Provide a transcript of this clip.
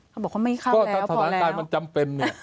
เขาบอกว่าไม่เข้าแล้วพอแล้วก็สถานการณ์มันจำเป็น